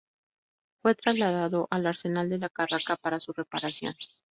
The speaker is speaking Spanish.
Fue trasladado al Arsenal de la Carraca para su reparación.